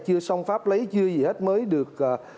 chưa xong pháp lấy chưa gì hết mới được